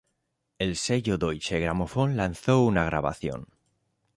El sello Deutsche Grammophon lanzó una grabación.